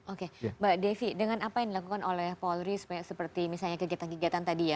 oke mbak devi dengan apa yang dilakukan oleh polri seperti misalnya kegiatan kegiatan tadi ya